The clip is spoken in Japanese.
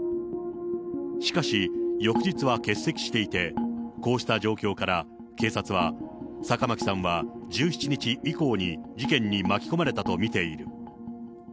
しかし、翌日は欠席していて、こうした状況から、警察は、坂巻さんは１７日以降に事件に巻き込まれたと見ている。